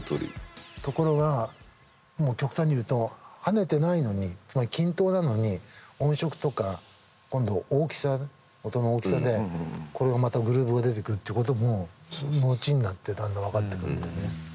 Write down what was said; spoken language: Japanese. ところがもう極端に言うと跳ねてないのにつまり均等なのに音色とか今度大きさね音の大きさでこれがまたグルーブが出てくるってことも後になってだんだん分かってくるんだよね。